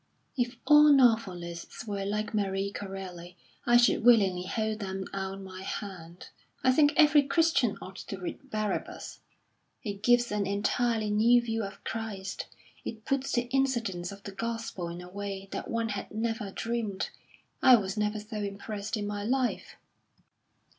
"If all novelists were like Marie Corelli, I should willingly hold them out my hand. I think every Christian ought to read 'Barabbas.' It gives an entirely new view of Christ. It puts the incidents of the Gospel in a way that one had never dreamed. I was never so impressed in my life."